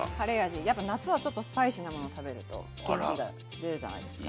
やっぱ夏はちょっとスパイシーなものを食べると元気が出るじゃないですか。